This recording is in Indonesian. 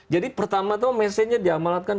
jadi pertama tuh mesennya diamalkan